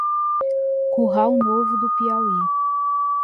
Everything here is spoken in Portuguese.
Curral Novo do Piauí